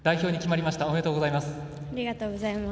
ありがとうございます。